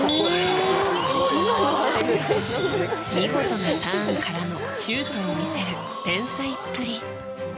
見事なターンからのシュートを見せる天才っぷり。